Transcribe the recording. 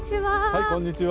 はいこんにちは。